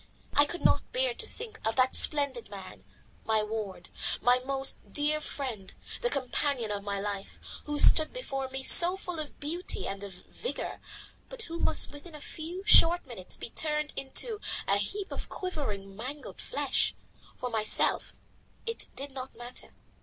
I could not bear to think of that splendid man, my ward, my most dear friend, the companion of my life, who stood before me so full of beauty and of vigour, but who must within a few short minutes be turned into a heap of quivering, mangled flesh. For myself it did not matter.